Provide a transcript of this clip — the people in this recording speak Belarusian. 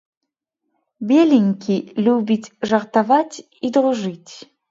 Беленькі любіць жартаваць і дружыць.